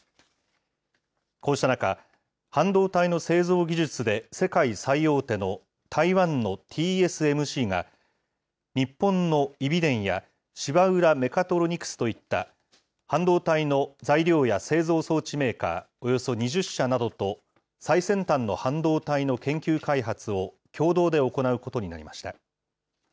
こうした中、半導体の製造技術で世界最大手の台湾のＴＳＭＣが、日本のイビデンや芝浦メカトロニクスといった、半導体の材料や製造装置メーカー、およそ２０社などと最先端の半導体の研究開発を共同で行うことになりました。